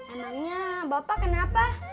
emangnya bapak kenapa